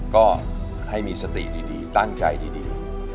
ก็ให้มีสติดีตั้งใจดี